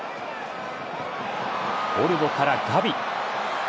オルモからガビ。